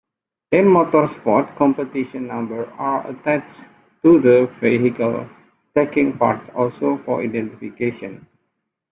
In motorsport, competition numbers are attached to the vehicles taking part, also for identification.